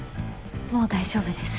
もう大丈夫です。